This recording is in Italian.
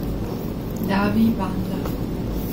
Davi Banda